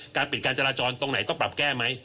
การปิดการจราจรตรงไหนต้องปรับแก้ไหม